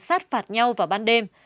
sát phạt nhau vào ban đêm